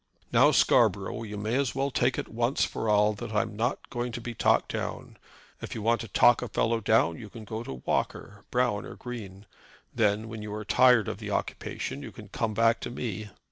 "Now, Scarborough, you may as well take it once for all that I am not going to be talked down. If you want to talk a fellow down you can go to Walker, Brown, or Green. Then when you are tired of the occupation you can come back to me."